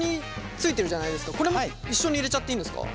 これも一緒に入れちゃっていいんですか？